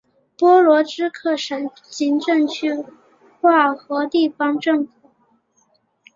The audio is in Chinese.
波罗兹克省行政区划和地方政府。